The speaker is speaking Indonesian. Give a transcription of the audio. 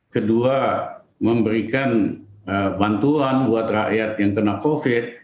kedua memberikan bantuan buat rakyat yang kena covid